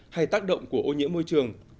hay tác động của ô nhiễm môi trường